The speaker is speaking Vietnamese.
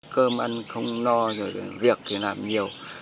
cơm ăn không no việc thì làm nhiều